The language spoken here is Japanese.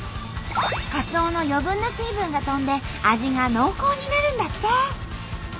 カツオの余分な水分が飛んで味が濃厚になるんだって！